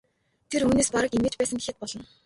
Тэр үүнээс бараг эмээж байсан гэхэд болно.